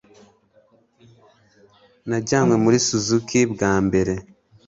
Najyanywe muri susike bwa mbere.